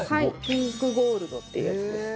ピンクゴールドっていうやつです。